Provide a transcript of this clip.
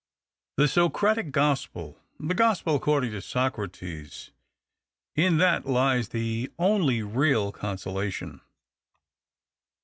The Socratic gospel — the gospel according to Socrates — in that lies the only real consolation."